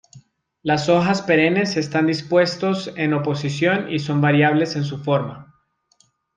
Las hojas perennes están dispuestos en oposición y son variables en su forma.